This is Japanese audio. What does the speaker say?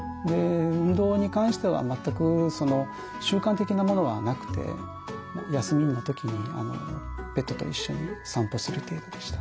運動に関しては全く習慣的なものはなくて休みの時にペットと一緒に散歩する程度でした。